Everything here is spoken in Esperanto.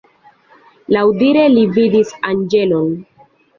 Laŭdire li vidis anĝelon.